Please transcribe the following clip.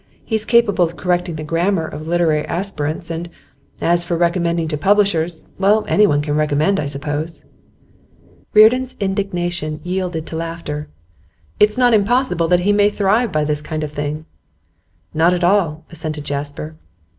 He's capable of correcting the grammar of "literary aspirants," and as for recommending to publishers well, anyone can recommend, I suppose.' Reardon's indignation yielded to laughter. 'It's not impossible that he may thrive by this kind of thing.' 'Not at all,' assented Jasper.